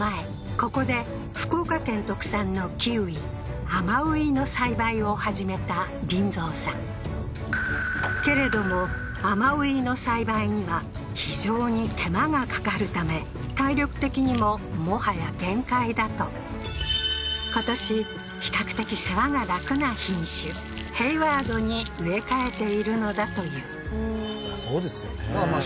ここで福岡県特産のキウイ甘うぃの栽培を始めた林三さんけれども甘うぃの栽培には非常に手間が掛かるため体力的にももはや限界だと今年比較的世話が楽な品種ヘイワードに植え替えているのだというそりゃそうですよねまあまあ